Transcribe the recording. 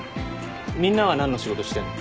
みんなは何の仕事してんの？